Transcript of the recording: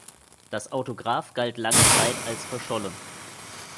Das Autograph galt lange Zeit als verschollen.